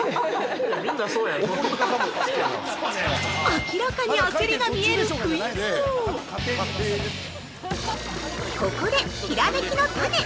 ◆明らかに焦りが見えるクイズ王ここで、ひらめきのタネ。